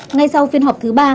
ngay sau phiên họp thứ ba